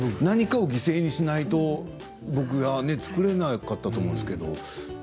何かを犠牲にしないと作れなかったと思うんですけど。